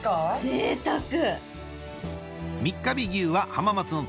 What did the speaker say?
ぜいたく。